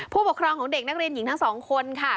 ผู้ปกครองของเด็กนักเรียนหญิงทั้งสองคนค่ะ